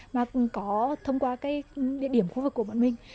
mà có thông qua cái địa điểm khu vực của bọn mình